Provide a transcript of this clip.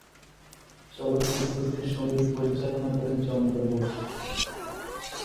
চলচ্চিত্রটির সঙ্গীত পরিচালনা করেন চন্দ্রবোস।